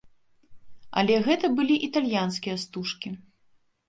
Але гэта былі італьянскія стужкі.